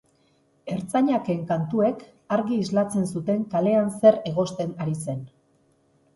Hertzainak-en kantuek argi islatzen zuten kalean zer egosten ari zen.